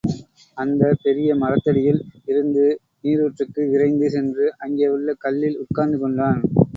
அந்த பெரிய மரத்தடியில் இருந்த நீருற்றுக்கு விரைந்து சென்று அங்கே உள்ள கல்லில் உட்கார்ந்து கொண்டான்.